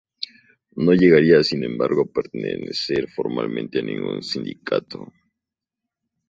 No llegaría sin embargo a pertenecer formalmente a ningún sindicato.